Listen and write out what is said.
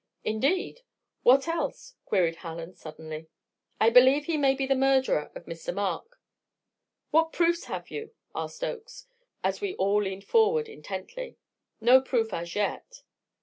"Indeed! What else?" queried Hallen suddenly. "I believe he may be the murderer of Mr. Mark." "What proofs have you?" asked Oakes, as we all leaned forward intently. "No proof as yet."